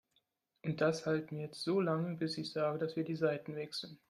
Und das halten wir jetzt so lange, bis ich sage, dass wir die Seiten wechseln.